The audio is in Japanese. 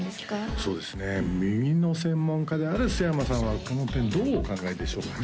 そうですね耳の専門家である須山さんはこの点どうお考えでしょうかね